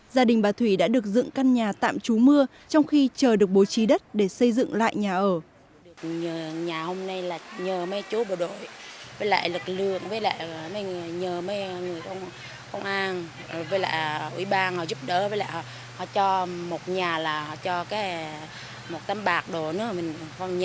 gia đình bà thủy đã được dựng căn nhà tạm trú mưa trong khi chờ được bố trí đất để xây dựng lại nhà ở